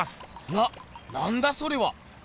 ななんだそれは。